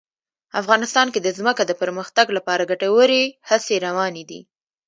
افغانستان کې د ځمکه د پرمختګ لپاره ګټورې هڅې روانې دي.